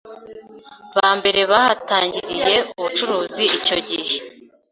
bambere bahatangiriye ubucuruzi icyo gihe